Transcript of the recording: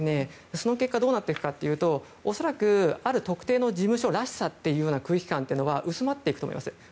その結果どうなっていくかというと恐らくある特定の事務所らしさという空気感は薄まっていくと思います。